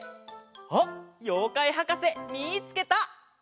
あっようかいはかせみつけた！